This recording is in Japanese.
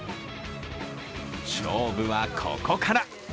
勝負はここから。